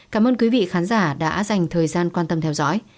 cảm ơn quý vị khán giả đã dành thời gian quan tâm theo dõi